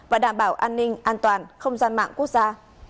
và đảm bảo an ninh an toàn không gian mạng quốc gia